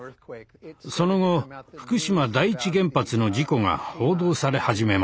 その後福島第一原発の事故が報道され始めました。